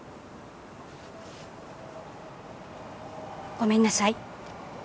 ごめんなさい。